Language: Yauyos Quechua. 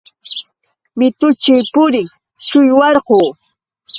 Mitućhu purir shullwarquu.